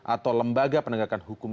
atau lembaga penegakan hukum